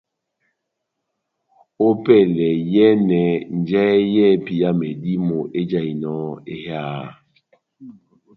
Ópɛlɛ ya iyɛ́nɛ njahɛ yɛ́hɛ́pi ya medímo ejahinɔ eháha.